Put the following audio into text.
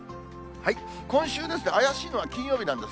今週、怪しいのは金曜日なんです。